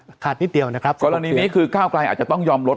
ขาดนิดเดียวนะครับกรณีนี้คือก้าวกลายอาจจะต้องยอมลด